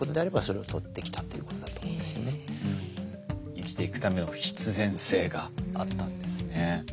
生きていくための必然性があったんですね。